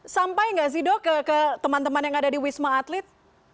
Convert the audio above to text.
sampai nggak sih dok ke teman teman yang ada di wisma atlet